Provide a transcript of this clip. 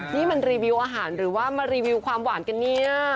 นี่มันรีวิวอาหารหรือว่ามารีวิวความหวานกันเนี่ย